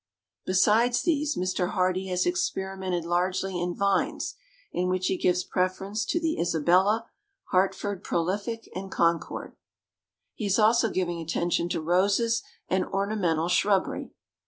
Besides these, Mr. Hardee has experimented largely in vines, in which he gives preference to the Isabella, Hartford Prolific, and Concord. He is also giving attention to roses and ornamental shrubbery.